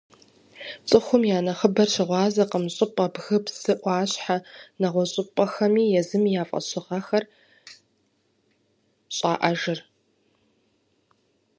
Цӏыхум я нэхъыбэр щыгъуазэкъым щӏыпӏэ, бгы, псы, ӏуащхьэ, нэгъуэщӏхэми езым я фӏэщыгъэхэр щӏаӏэжым.